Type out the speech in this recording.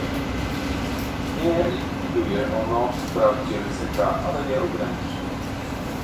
Nie likwiduje ono wprawdzie ryzyka, ale je ogranicza